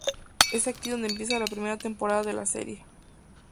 Es aquí donde empieza la primera temporada de la serie.